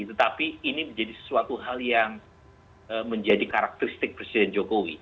tetapi ini menjadi sesuatu hal yang menjadi karakteristik presiden jokowi